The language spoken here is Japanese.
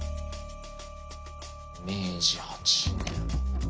明治８年。